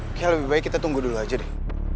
oke lebih baik kita tunggu dulu aja deh